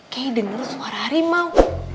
kay dengar suara harimau